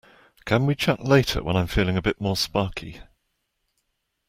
Can we chat later when I'm feeling a bit more sparky?